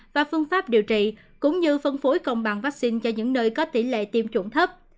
và phương pháp điều trị cũng như phân phối công bằng vaccine cho những nơi có tỷ lệ tiêm chủng thấp